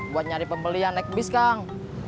buat nyari pembelian ekbis kang